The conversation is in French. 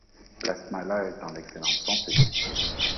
La smala est en excellente santé!...